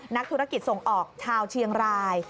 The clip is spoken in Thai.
นักธุรกิจส่งออกชาวเชียงราย